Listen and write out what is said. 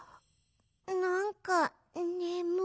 なんかねむい。